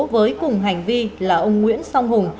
với cùng hành vi là ông nguyễn song hùng